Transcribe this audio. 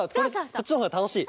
こっちのほうがたのしい！